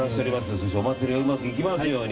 そしてお祭りがうまくいきますように。